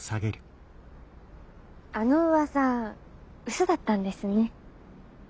あの噂嘘だったんですね。